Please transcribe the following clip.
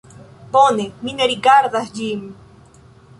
Bone, mi ne rigardas ĝin